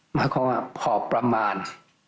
หมายความว่าพอประมาณ